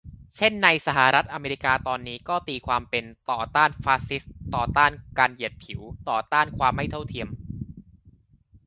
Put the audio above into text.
เช่นในสหรัฐอเมริกาตอนนี้ ก็ตีความเป็น ต่อต้านฟาสซิสต์ ต่อต้านการเหยียดผิว ต่อต้านความไม่เท่าเทียม